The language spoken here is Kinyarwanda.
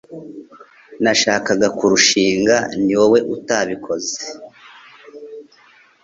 Nashakaga kurushinga Niwowe utabikoze